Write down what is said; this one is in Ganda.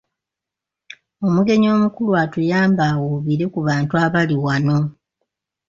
Omugenyi omukulu atuyambe awuubire ku bantu abali wano.